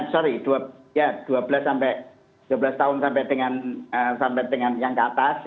sorry dua belas sampai dua belas tahun sampai dengan yang ke atas